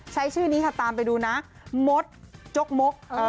ใช้ชื่อนี้ค่ะตามไปดูนะมดจกมก